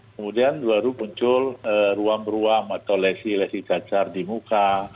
kemudian baru muncul ruam ruam atau lesi lesi cacar di muka